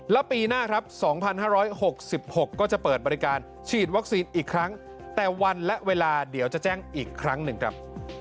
แล้วปีหน้าครับ๒๕๖๖ก็จะเปิดบริการฉีดวัคซีนอีกครั้งแต่วันและเวลาเดี๋ยวจะแจ้งอีกครั้งหนึ่งครับ